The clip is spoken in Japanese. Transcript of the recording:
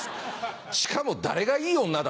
しかも誰がいい女だ？